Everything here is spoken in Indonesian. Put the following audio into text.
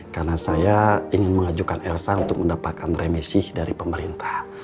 karena saya ingin mengajukan elsa untuk mendapatkan remisi dari pemerintah